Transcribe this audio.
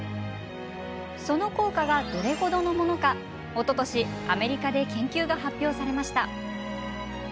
その効果がどれ程のものかおととし、アメリカで研究が発表されました。